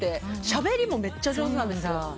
しゃべりもめっちゃ上手なんです。